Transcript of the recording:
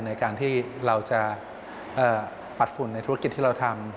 ในการที่เราจะปัดฝุ่นในธุรกิจที่เราทำ